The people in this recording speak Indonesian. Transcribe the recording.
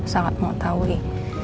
sangat mau taui